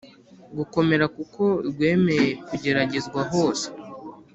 Gukomera kuko rwemeye kugeragezwa hose